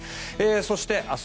そして明日